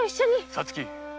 皐月。